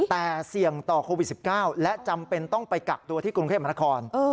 แต่เสี่ยงต่อโควิด๑๙และจำเป็นต้องไปกักตัวที่กรุงเทพมนาคม